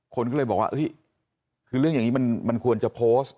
คนก็เลยบอกว่าคือเรื่องอย่างนี้มันควรจะโพสต์